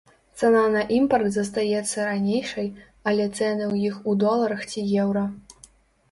Цана на імпарт застаецца ранейшай, але цэны ў іх у доларах ці еўра.